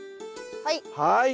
はい。